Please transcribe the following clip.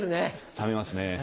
冷めますね。